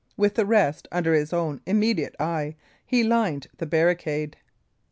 With the rest, under his own immediate eye, he lined the barricade.